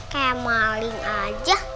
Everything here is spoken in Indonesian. kayak maling aja